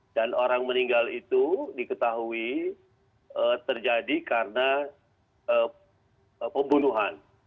dan orang meninggal itu diketahui terjadi karena pembunuhan